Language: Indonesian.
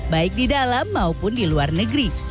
baik di dalam maupun di luar negeri